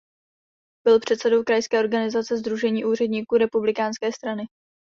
Byl předsedou krajské organizace "Sdružení úředníků Republikánské strany".